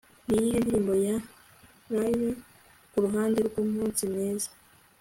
niyihe ndirimbo ya lyre kuruhande rwumunsi mwiza